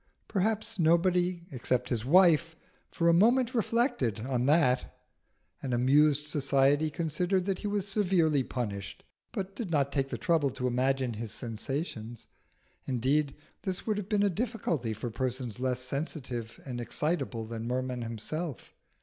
Perhaps nobody, except his wife, for a moment reflected on that. An amused society considered that he was severely punished, but did not take the trouble to imagine his sensations; indeed this would have been a difficulty for persons less sensitive and excitable than Merman himself.